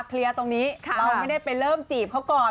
เคลียร์ตรงนี้เราไม่ได้ไปเริ่มจีบเขาก่อน